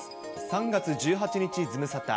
３月１８日、ズムサタ。